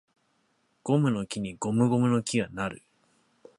ゴムの木にゴムゴムの木は成る